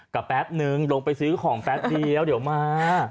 ก็แป๊บนึงลงไปซื้อของแป๊บเดียวเดี๋ยวมา